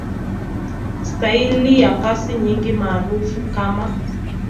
Staili ya pasi nyingi maarufu kama